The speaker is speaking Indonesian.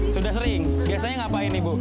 sudah sering biasanya ngapain ibu